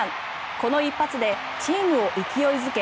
この一発でチームを勢い付け